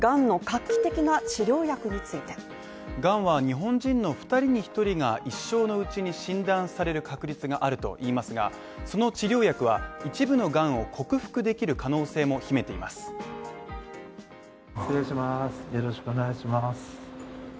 がんの画期的な治療薬についてがんは日本人の２人に１人が一生のうちに診断される確率があるといいますが、その治療薬は一部のがんを克服できる可能性も秘めています。